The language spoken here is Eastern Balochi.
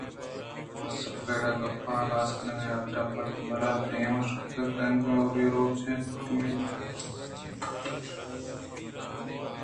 اصلءَ فریڈا ءَگپ ءِ ہلاس کنگ ءِ حاترا وت ءَرا دیمءَ داشت تانکہ اولی روچ اِنت منیگ ءُشمئے نیامجی ءَناراضی ءَ ناوشی ئے مہ بیت اِنت